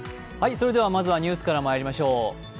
まずはニュースからまいりましょう。